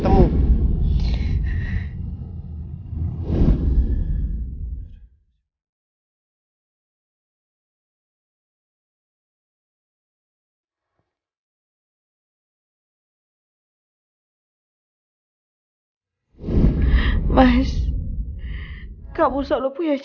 terima kasih pak